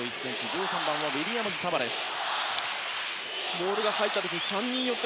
１３番はウィリアムズ・タバレス。